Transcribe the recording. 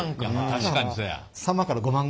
確かにそや。